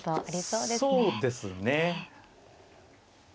そうですね。